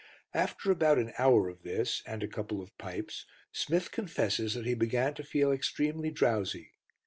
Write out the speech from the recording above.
After about an hour of this and a couple of pipes, Smith confesses that he began to feel extremely drowsy.